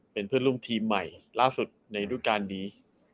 เป็นเพื่อนร่วมทีมใหม่ล่าสุดในรูปการณ์นี้